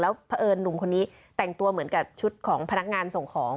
เพราะเอิญหนุ่มคนนี้แต่งตัวเหมือนกับชุดของพนักงานส่งของ